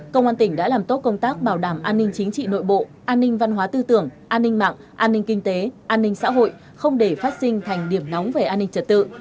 công an tỉnh đã làm tốt công tác bảo đảm an ninh chính trị nội bộ an ninh văn hóa tư tưởng an ninh mạng an ninh kinh tế an ninh xã hội không để phát sinh thành điểm nóng về an ninh trật tự